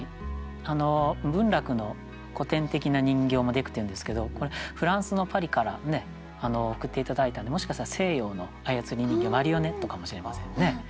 文楽の古典的な人形も木偶っていうんですけどフランスのパリから送って頂いたんでもしかしたら西洋の操り人形マリオネットかもしれませんね。